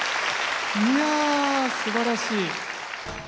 いやすばらしい。